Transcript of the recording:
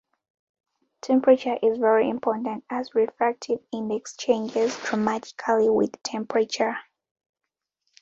Temperature is very important as refractive index changes dramatically with temperature.